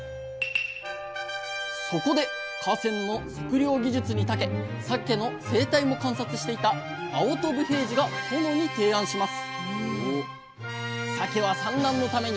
そこで河川の測量技術にたけさけの生態も観察していた青砥武平治が殿に提案します